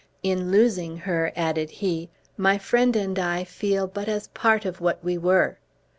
"In losing her," added he, "my friend and I feel but as part of what we were.